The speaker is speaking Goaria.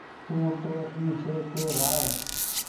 او تو اي ڇي ڪي وآڙ۔